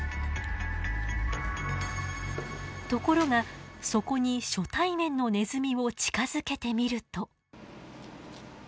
ところがそこに初対面のネズミを近づけてみると。